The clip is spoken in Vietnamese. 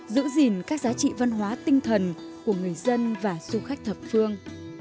giữ gìn các giá trị văn hóa tinh thần của người dân và du khách thập phương